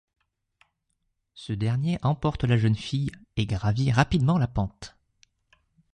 Ce dernier emporte la jeune fille et gravit rapidement la pente.